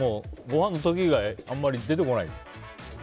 ごはんの時以外あんまり出てこない。